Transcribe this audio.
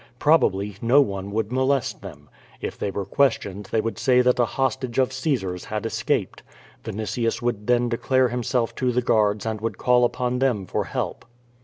Probably no one would molest them. If they were questioned they would say that a hostage of Caesar's had escaped. Vini tius would then declare himself to the guards and would call upon them for help.